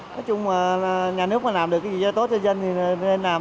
nói chung là nhà nước mà làm được cái gì tốt cho dân thì nên làm